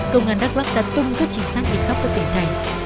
công an đắk lắk đã tung các trình sáng định khắp các tỉnh thành